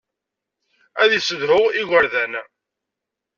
Ad yessedhu igerdan.